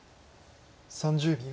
３０秒。